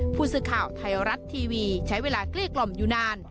ผู้สื่อข่าวไทยรัฐทีวีใช้เวลาเกลี้ยกล่อมอยู่นาน